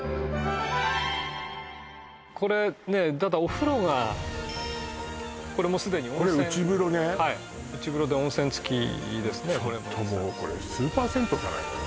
これただお風呂がこれもう既に温泉これ内風呂ねはい内風呂で温泉付きですねちょっともうこれスーパー銭湯じゃないのよ